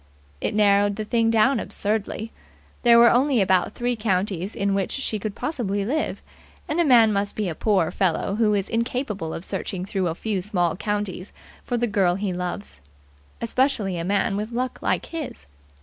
It narrowed the thing down absurdly. There were only about three counties in which she could possibly live; and a man must be a poor fellow who is incapable of searching through a few small counties for the girl he loves. Especially a man with luck like his.